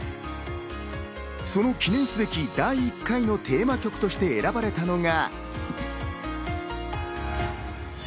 その記念すべき第１回のテーマ曲として選ばれたのが。